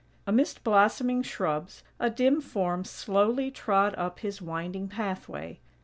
Amidst blossoming shrubs, a dim form slowly trod up his winding pathway.